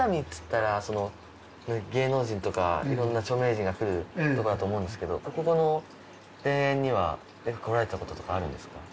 芸能人とかいろんな著名人が来る所だと思うんですけどここの田園にはよく来られた事とかあるんですか？